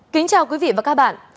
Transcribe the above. kính chào quý vị và các bạn